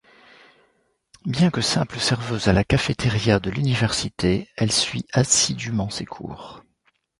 Bien que simple serveuse à la cafétéria de l'université, elle suit assidûment ses cours.